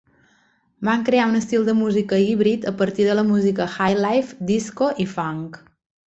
Van crear un estil de música híbrid a partir de la música highlife, disco i funk.